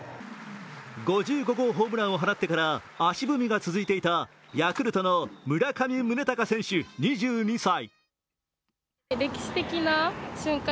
５５号ホームランを放ってから足踏みが続いていたヤクルトの村上宗隆選手２２歳。